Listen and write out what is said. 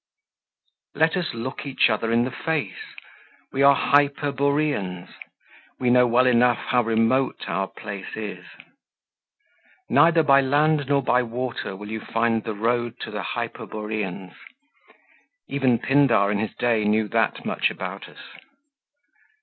Let us look each other in the face. We are Hyperboreans we know well enough how remote our place is. "Neither by land nor by water will you find the road to the Hyperboreans": even Pindar, in his day, knew that much about us.